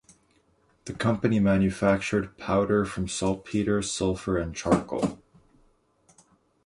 The company manufactured powder from saltpeter, sulfur, and charcoal.